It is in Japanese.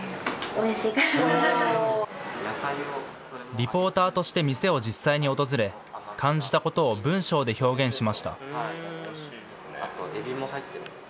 リポーターとして店を実際に訪れ感じたことを文章で表現しました。